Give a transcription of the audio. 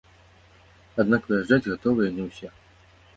Аднак выязджаць гатовыя не ўсе.